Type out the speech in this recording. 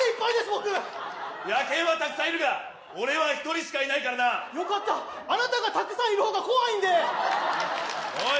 僕野犬はたくさんいるが俺は１人しかいないからなよかったあなたがたくさんいるほうが怖いんでおい